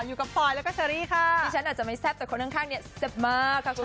อยู่กับปอยแล้วก็เชอรี่ค่ะดิฉันอาจจะไม่แซ่บแต่คนข้างเนี่ยแซ่บมากค่ะคุณ